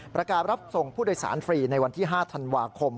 ประกาศรับส่งผู้โดยสารฟรีในวันที่๕ธันวาคม